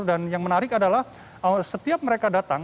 yang menarik adalah setiap mereka datang